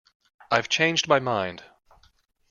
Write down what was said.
I’ve changed my mind